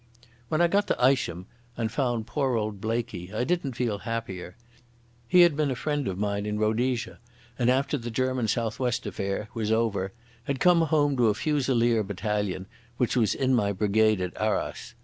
When I got to Isham and found poor old Blaikie I didn't feel happier. He had been a friend of mine in Rhodesia, and after the German South West affair was over had come home to a Fusilier battalion, which was in my brigade at Arras.